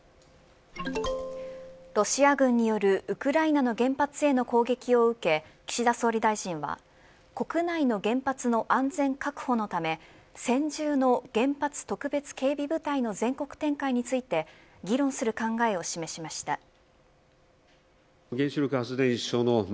ロシア軍によるウクライナの原発への攻撃を受け岸田総理大臣は、国内の原発の安全確保のため専従の原発特別警備部隊の全国展開について議論する考えを示しました。